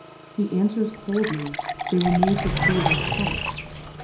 He an fwers coldly, they were made to pleafe our Sight.